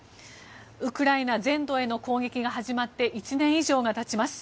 ウクライナ全土への攻撃が始まって１年以上が経ちます。